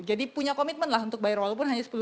jadi punya komitmen lah untuk bayar walaupun hanya sepuluh